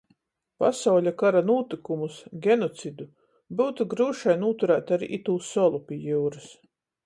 Pasauļa kara nūtykumus, genocidu, byutu gryušai nūturēt ari itū solu pi jiurys.